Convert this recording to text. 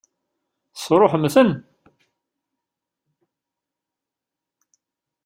Tesṛuḥem-ten?